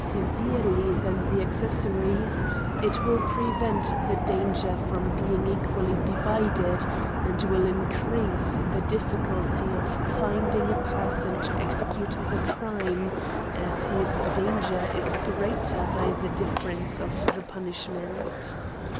1J9 everely than the accessaries, it will prevent the danger from being equally divided, and will in crease the difficulty of finding a person to execute the crime, as his danger is greater by the difference of the punishment.